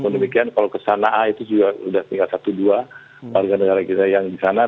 demikian kalau ke sana a itu juga sudah tinggal satu dua warga negara kita yang di sana